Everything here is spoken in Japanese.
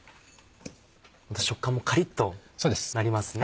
食感もカリっとなりますね。